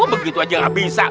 oh begitu aja gak bisa